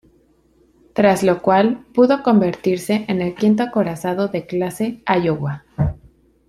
Tras lo cual, pudo convertirse en el quinto acorazado de clase "Iowa".